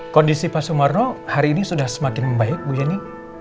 kondisi pak sumarno hari ini sudah semakin membaik bu yeni